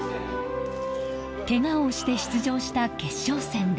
けがをして出場した決勝戦で。